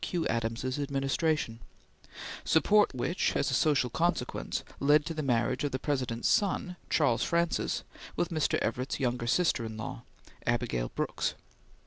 Q. Adams's administration; support which, as a social consequence, led to the marriage of the President's son, Charles Francis, with Mr. Everett's youngest sister in law, Abigail Brooks.